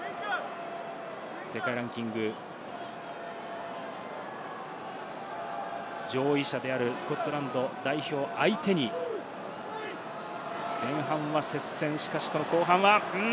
世界ランキング上位者であるスコットランド代表を相手に前半は接戦、しかし後半は。